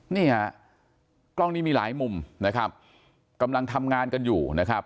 นี่ฮะกล้องนี้มีหลายมุมนะครับกำลังทำงานกันอยู่นะครับ